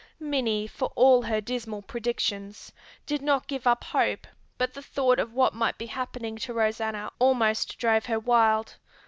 Minnie, for all her dismal predictions, did not give up hope but the thought of what might be happening to Rosanna almost drove her wild.